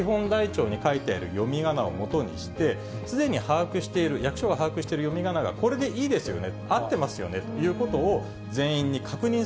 ただその前に、住民基本台帳に書いてある読みがなをもとにして、すでに把握、役所が把握している読みがなが、これでいいですよね？